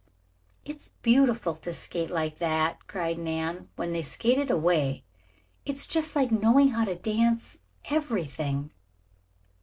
"It's beautiful to skate like that," cried Nan, when they skated away. "It's just like knowing how to dance everything."